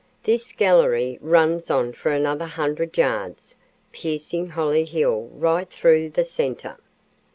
"This gallery runs on for another hundred yards, piercing Holly Hill right through the center.